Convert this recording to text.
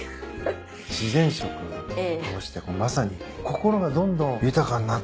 自然食を通してまさに心がどんどん豊かになってくの感じます。